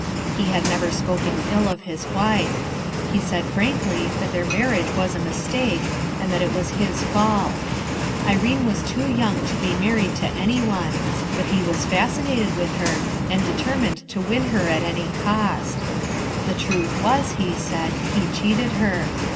He had never spoken ill of his wife. He said frankly that their marriage was a mistake, and that it was his fault. Irene was too young to be married to any one, but lie was fascinated with her, and determined to win her at any cost The truth was, he said, he cheated her.